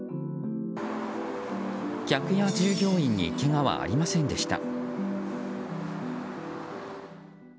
客や従業員にけがはありませんでした。